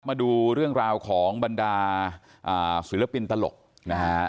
มาดูเรื่องราวของบรรดาศิลปินตลกนะฮะ